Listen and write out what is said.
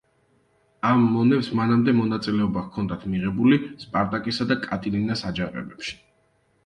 ამ მონებს მანამდე მონაწილეობა ჰქონდათ მიღებული სპარტაკისა და კატილინას აჯანყებებში.